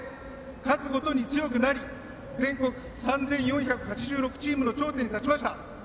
勝つごとに強くなり全国３４８６チームの頂点に立ちました。